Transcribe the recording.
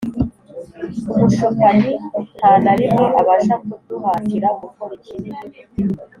Umushukanyi nta na rimwe abasha kuduhatira gukora ikibi